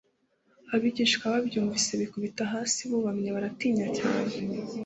Abigishwa babyumvise bikubita hasi bubamye, baratinya cyane